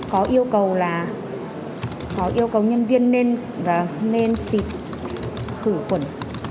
có yêu cầu là có yêu cầu nhân viên nên xịt khử khuẩn